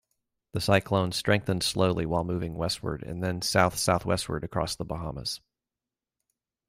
The cyclone strengthened slowly while moving westward and then south-southwestward across the Bahamas.